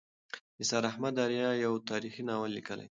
نثار احمد آریا یو تاریخي ناول لیکلی دی.